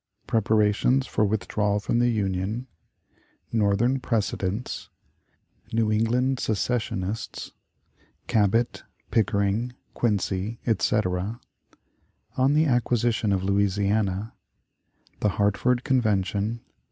Preparations for withdrawal from the Union. Northern Precedents. New England Secessionists. Cabot, Pickering, Quincy, etc. On the Acquisition of Louisiana. The Hartford Convention.